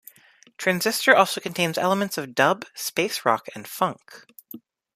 Transistor also contains elements of dub, space rock and funk.